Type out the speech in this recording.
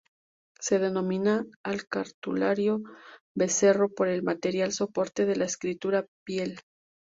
Se denomina al cartulario "becerro" por el material soporte de la escritura, piel.